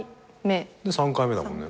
３回目だもんね。